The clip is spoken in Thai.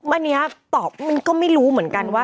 อันนี้ตอบมันก็ไม่รู้เหมือนกันว่า